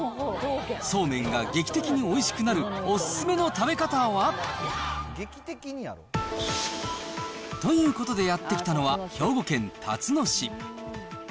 そうめんが劇的においしくなるお勧めの食べ方は？ということで、やって来たのは、兵庫県たつの市。